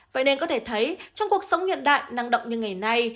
vậy nên có thể thấy trong cuộc sống hiện đại năng động như ngày nay